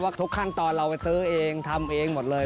ทุกขั้นตอนเราไปซื้อเองทำเองหมดเลย